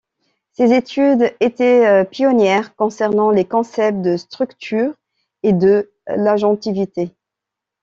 Ses études étaient pionnières concernant les concepts de structure et de l’agentivité.